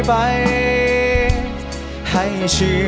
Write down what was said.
ไปชมกันได้เลย